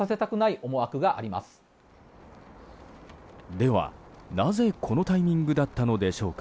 ではなぜ、このタイミングだったのでしょうか。